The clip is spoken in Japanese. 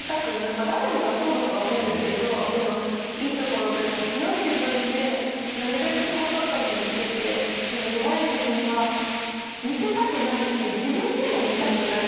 まあ誰もがそうだと思うんですけどいいところというか強い自分でなるべくこう外に出て弱い自分は見せたくないし自分でも見たくない。